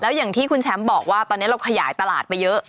อย่างที่คุณแชมป์บอกว่าตอนนี้เราขยายตลาดไปเยอะ